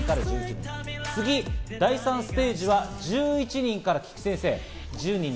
次、第３ステージは１１人から１０人に。